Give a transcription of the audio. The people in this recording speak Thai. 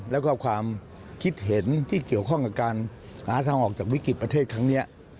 แล้วก็ความคิดเห็นที่เกี่ยวข้องกับการหาทางออกจากวิกฤติประเทศครั้งนี้